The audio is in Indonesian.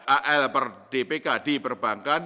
al per dpk di perbankan